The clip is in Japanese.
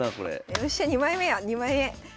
よっしゃ２枚目や２枚目！